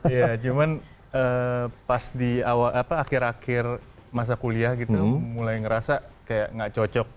ya cuman pas di akhir akhir masa kuliah gitu mulai ngerasa kayak gak cocok